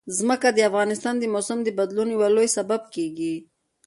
ځمکه د افغانستان د موسم د بدلون یو لوی سبب کېږي.